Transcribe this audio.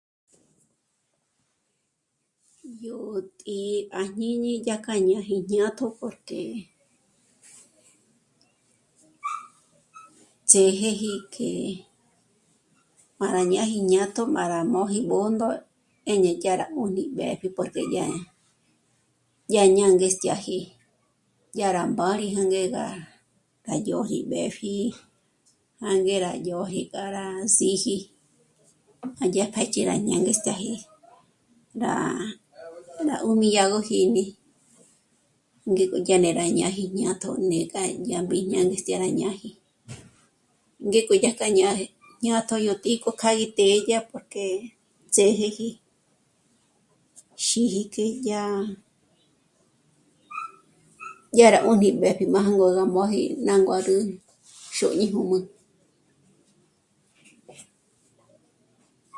Yó tǐ'i à jñíñi dyàjkja ñáji jñátjo porque ts'ë́jeji que... para ñáji jñátjo má rá móji Bṓndo e dyá rá 'ùni mbépji porque yá... yá ñângestjyaji, yá rá mbàri yá ngé gá rá... rá yòji b'épji, jânge rá yòji k'a rá síji o dyàjkja ndzhé'e rá ñângestjyaji, rá humillagojijmí ngék'o dyà rá ñáji jñátjo né k'a mbí ñângestjya rá ñáji. Ngéko dyàkja ñáji jñátjo yó tǐ'i kjo kjâ'a í të́'ë porque ts'ë́jeji, xíji k'i ñá'a... dyá rá 'ùjni b'épji jângór gá móji ná nguád'ü xòñi jùm'ü